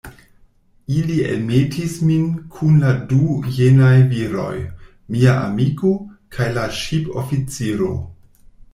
Ili elmetis min kun la du jenaj viroj, mia amiko, kaj la ŝipoficiro.